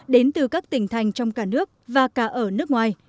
đến từ các tỉnh thành trong cả nước và cả ở nước ngoài